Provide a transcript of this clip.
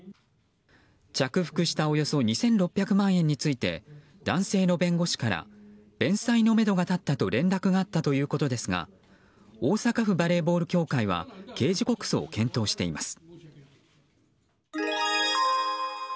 着服したおよそ２６００万円について男性の弁護士から返済のめどが立ったと連絡があったということですが大阪府バレーボール協会は刑事告訴を検討しています。